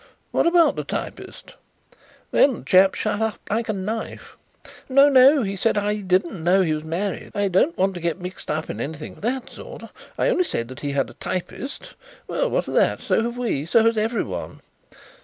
'What about the typist?' Then the chap shut up like a knife. 'No, no,' he said, 'I didn't know he was married. I don't want to get mixed up in anything of that sort. I only said that he had a typist. Well, what of that? So have we; so has everyone.'